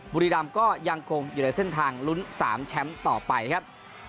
บุรีรำก็ยังคงอยู่ในเส้นทางลุ้น๓แชมป์ต่อไปครับ